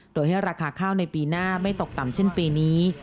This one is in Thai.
โดยให้ราคาข้าวในปีหน้าไม่ตกต่ำเช่นปีนี้